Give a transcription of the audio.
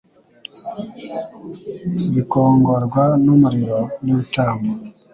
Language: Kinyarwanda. bikongorwa n umuriro n ibitambo